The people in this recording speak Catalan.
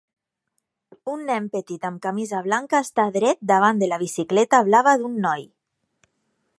Un nen petit amb camisa blanca està dret davant de la bicicleta blava d'un noi.